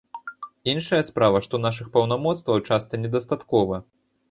Іншая справа, што нашых паўнамоцтваў часта недастаткова.